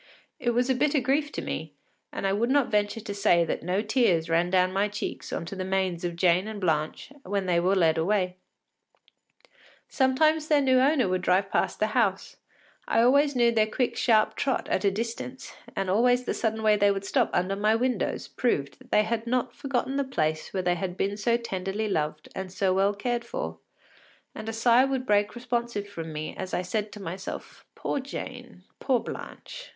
It was a bitter grief to me, and I would not venture to say that no tears ran down my cheeks on to the manes of Jane and Blanche when they were led away. Sometimes their new owner would drive past the house; I always knew their quick, sharp trot at a distance, and always the sudden way they would stop under my windows proved that they had not forgotten the place where they had been so tenderly loved and so well cared for, and a sigh would break responsive from me as I said to myself: “Poor Jane, poor Blanche!